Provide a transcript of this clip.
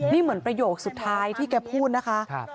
นี่เหมือนประโยคสุดท้ายที่แกพูดนะคะ